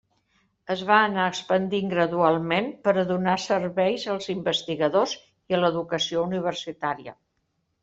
Es va anar expandint gradualment per a donar serveis als investigadors i a l'educació universitària.